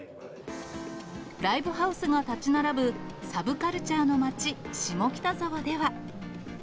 ライブハウスが建ち並ぶサブカルチャーの街、下北沢では。